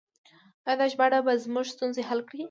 آیا دا ژباړه به زموږ ستونزې حل کړي؟